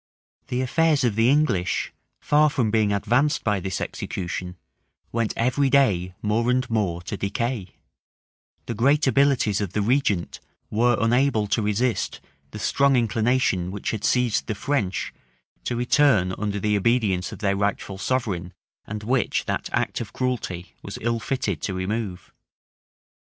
{1432.} The affairs of the English, far from being advanced by this execution, went every day more and more to decay: the great abilities of the regent were unable to resist the strong inclination which had seized the French to return under the obedience of their rightful sovereign, and which that act of cruelty was ill fitted to remove.